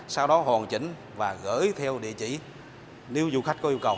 sau đó hoàn chỉnh và gửi theo địa chỉ nếu du khách có yêu cầu